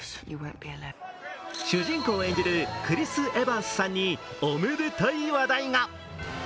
主人公を演じるクリス・エヴァンスさんにおめでたい話題が。